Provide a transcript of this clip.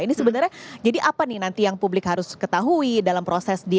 ini sebenarnya jadi apa nih nanti yang publik harus ketahui dalam proses di